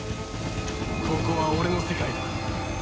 ここは俺の世界だ。